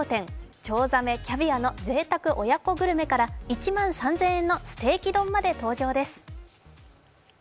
チョウザメ／キャビアのぜいたく親子グルメから１万３０００円のステーキ丼まで登場です。